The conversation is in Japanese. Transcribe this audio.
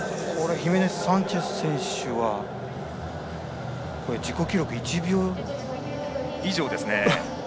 ヒメネスサンチェス選手は自己記録を１秒以上。